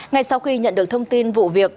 ngay sau khi nhận được thông tin vụ việc